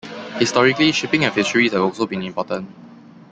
Historically, shipping and fisheries have also been important.